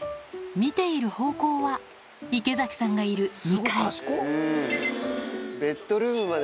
見ている方向は、池崎さんがいる２階。